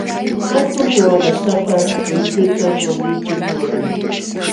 Hatun waqlasapa luychutam wañuqchin wawqii.